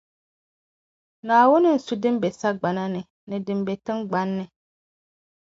Naawuni n-su din be sagbana ni, ni din be tiŋgbani ni.